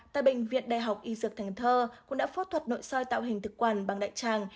tại bệnh viện đại học y dược thành thơ cũng đã phốt thuật nội soi tạo hình thực quản bằng đại tràng